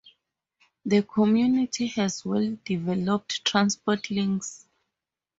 The community has well-developed transport links.